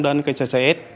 đến cái ccs